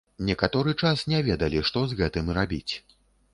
Некаторы час не ведалі, што з гэтым рабіць.